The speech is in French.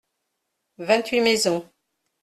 Vingt-huit maisons.